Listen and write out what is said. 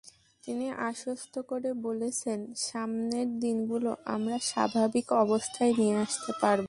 তিনি আশ্বস্ত করে বলেছেন, সামনের দিনগুলো আমরা স্বাভাবিক অবস্থায় নিয়ে আসতে পারব।